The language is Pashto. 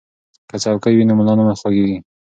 که څوکۍ وي نو ملا نه خوږیږي.